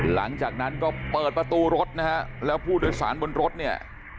หลังจากนั้นก็เปิดประตูรถนะฮะแล้วผู้โดยสารบนรถเนี่ย